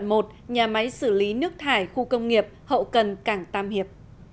nhà máy xử lý nước thải khu công nghiệp hậu cần cảng tam hiệp